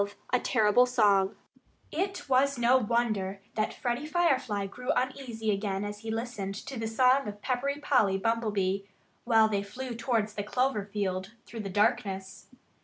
XII A TERRIBLE SONG It was no wonder that Freddie Firefly grew uneasy again as he listened to the song of Peppery Polly Bumblebee, while they flew towards the clover field through the darkness.